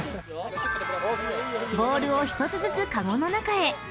［ボールを１つずつかごの中へ］